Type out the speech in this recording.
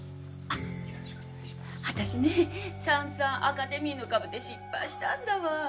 あたしねサンサンアカデミーの株で失敗したんだわ。